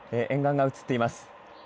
沿岸が映っています。